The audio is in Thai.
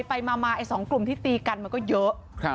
ไปมาไอ้๒กลุ่มที่ตีกันมันก็เยอะ